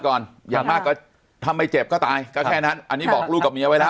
ก่อนอย่างมากก็ถ้าไม่เจ็บก็ตายก็แค่นั้นอันนี้บอกลูกกับเมียไว้แล้ว